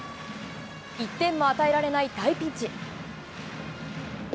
１点も与えられない大ピンチ。